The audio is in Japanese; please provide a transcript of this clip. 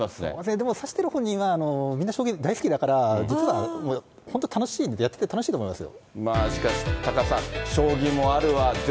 でも指してる本人は、みんな、将棋が大好きだから、実は本当、楽しいんで、やってて楽しいと思いますよ。